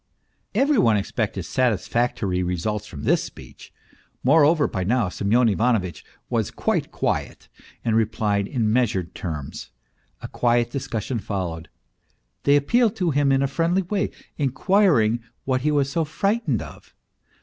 Every one expected satisfactory results from this speech. Moreover by now Semyon Ivanovitch was quite quiet and replied in measured terms. A quiet discussion followed. They appealed to him in a friendly way, inquiring what he was so frightened of.